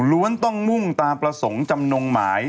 ้วนต้องมุ่งตามประสงค์จำนงหมาย